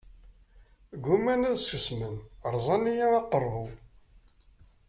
Gumman ad susmen, rẓan-iyi aqerru-w.